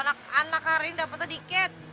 anak anak hari ini dapat sedikit